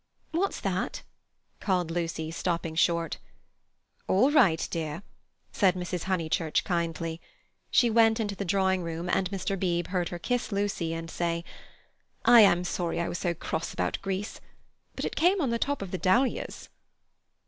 "What's that?" called Lucy, stopping short. "All right, dear," said Mrs. Honeychurch kindly. She went into the drawing room, and Mr. Beebe heard her kiss Lucy and say: "I am sorry I was so cross about Greece, but it came on the top of the dahlias."